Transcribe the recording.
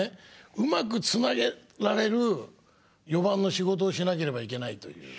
うまくつなげられる４番の仕事をしなければいけないという。